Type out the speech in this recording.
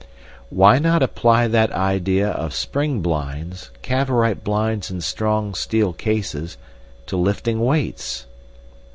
"Why not apply that idea of spring blinds—Cavorite blinds in strong steel cases—to lifting weights?"